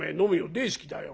大好きだよ」。